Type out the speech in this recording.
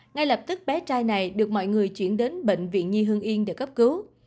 ngay lập tức bé trai này được mọi người chuyển đến bệnh viện nhi hương yên để cấp cứu